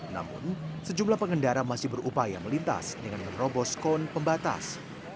namun sejumlah pengendara masih berupaya melintas dengan menerobos kon pembatas